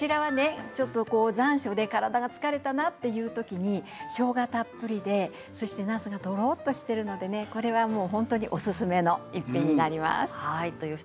残暑で体が疲れたなという時にしょうがたっぷりでなすがとろっとしているのでこれは本当におすすめの一品です。